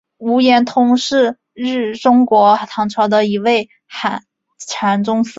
无言通是中国唐朝的一位禅宗僧人。